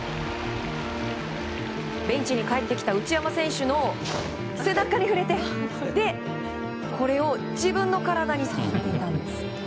ベンチに帰ってきた内山選手の背中に触れてこれを、自分の体に触っていたんです。